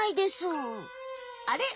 あれ？